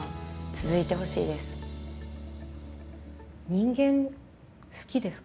人間好きですか？